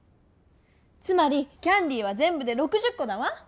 つまりキャンディーはぜんぶで６０コだわ！